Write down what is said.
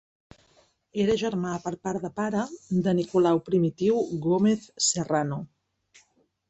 Era germà per part de pare de Nicolau Primitiu Gómez Serrano.